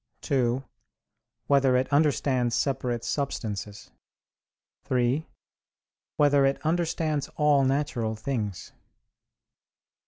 (2) Whether it understands separate substances? (3) Whether it understands all natural things?